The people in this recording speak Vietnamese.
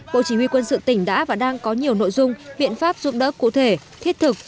bộ chỉ huy quân sự tỉnh đã và đang có nhiều nội dung biện pháp giúp đỡ cụ thể thiết thực